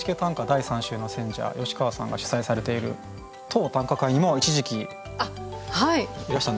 第３週の選者吉川さんが主宰されている「塔短歌会」にも一時期いらしたんですね。